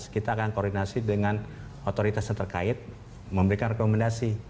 kita akan koordinasi dengan otoritas terkait memberikan rekomendasi